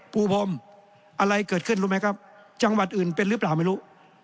ภูมิอะไรเกิดขึ้นรู้ไหมครับจังหวัดอื่นเป็นหรือเปล่าไม่รู้